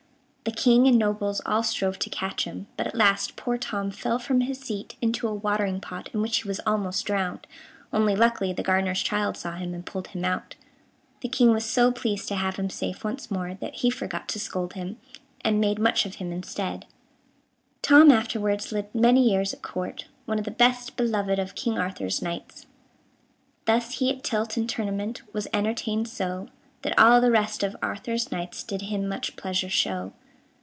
The King and nobles all strove to catch him, but at last poor Tom fell from his seat into a watering pot, in which he was almost drowned, only luckily the gardener's child saw him, and pulled him out. The King was so pleased to have him safe once more that he forgot to scold him, and made much of him instead. Tom afterwards lived many years at Court, one of the best beloved of King Arthur's knights. Thus he at tilt and tournament Was entertained so, That all the rest of Arthur's knights Did him much pleasure show.